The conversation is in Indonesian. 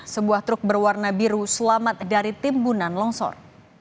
sebuah truk berwarna biru selamat dari timbunan longsor